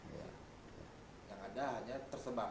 yang ada hanya tersebar